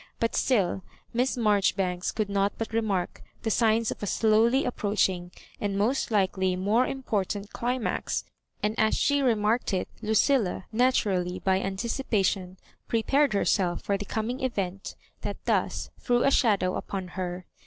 But still Miss Maijori banks could not but remark the signs of a slowly approaching and most likely more important climax; and as she remarked it, Lucilla natu rally by anticipation prepared herself for the ooming event that thus threw a shadow upon her.